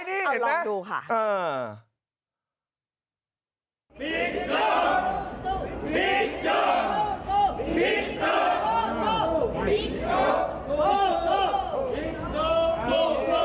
เออ